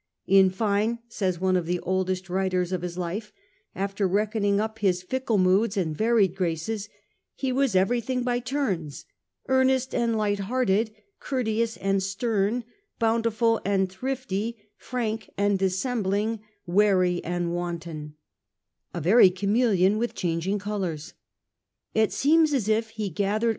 In fine, says one of the oldest writers of his life, after reckoning up his fickle moods and varied graces, ' he was everything by turns ; earnest and light hearted, courteous and stern, bountiful and thrifty, frank and dissembling, ana para wary and wanton,* — a very chameleon with of changing colours. It seemed as if he gathered temper.